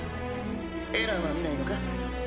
エランは見ないのか？